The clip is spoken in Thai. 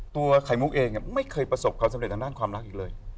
ไข่มุกเองไม่เคยประสบความสำเร็จทางด้านความรักอีกเลย